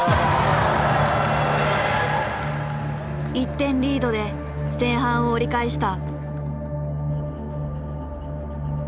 １点リードで前半を折り返した。